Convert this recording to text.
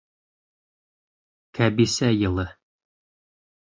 Кәбисә йылы